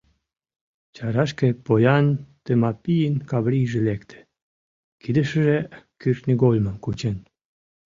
Чарашке поян Тымапийын Каврийже лекте, кидешыже кӱртньыгольмым кучен.